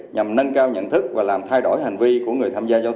nhằm nâng cao nhận thức và làm thay đổi hành vi